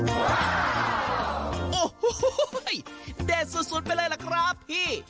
โอ้โหเด็ดสุดไปเลยล่ะครับพี่